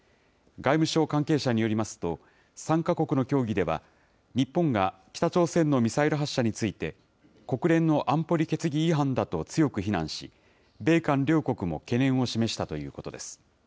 外務省関係者によりますと、３か国の協議では、日本が北朝鮮のミサイル発射について、国連の安保理決議違反だと強く非難し、米韓両国も懸念を示したということです。